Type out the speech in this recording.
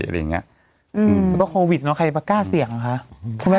อะไรอย่างเงี้ยอืมแล้วก็โควิดเนอะใครมากล้าเสี่ยงอ่ะคะใช่ไหม